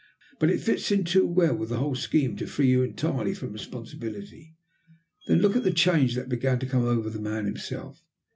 "But it fits in too well with the whole scheme to free you entirely from responsibility. Then look at the change that began to come over the man himself.